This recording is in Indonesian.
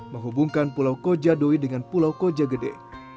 menghubungkan pulau koja doi dengan pulau koja gede